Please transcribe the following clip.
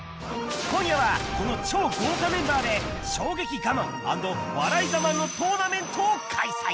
今夜は、この超豪華メンバーで、衝撃ガマン＆笑いガマンのトーナメントを開催。